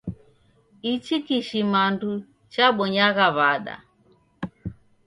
Ichi kishimandu chabonyagha w'ada?